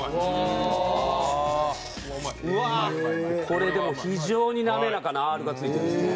これでも非常に滑らかなＲがついてますね。